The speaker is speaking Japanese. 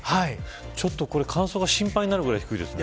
ちょっと、これ乾燥が心配になるくらい低いですね。